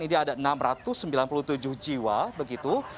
ini ada enam ratus sembilan puluh tujuh jiwa begitu